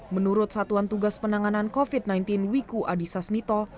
menurut satuan tugas penanganan covid sembilan belas wiku adhisa smito